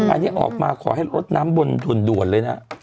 อันนี้ออกมาขอให้ลดน้ำบนถ่วนเลยนะ